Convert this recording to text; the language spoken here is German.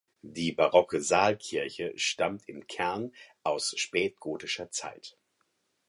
Die barocke Saalkirche stammt im Kern aus spätgotischer Zeit.